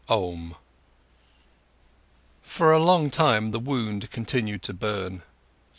OM For a long time, the wound continued to burn.